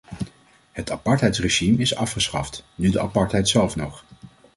Het apartheidsregime is afgeschaft, nu de apartheid zelf nog.